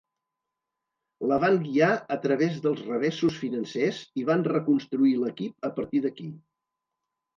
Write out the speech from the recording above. La van guiar a través dels revessos financers, i van reconstruir l'equip a partir d'aquí.